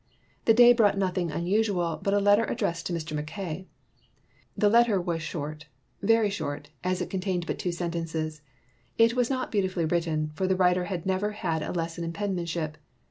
The day brought nothing unusual but a letter addressed to Mr. Mackay. The letter was short — very short — as it contained but two sentences. It was not beautifully written, for the writer had never had a lesson in penmanship.